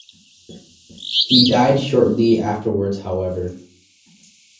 He died shortly afterwards however.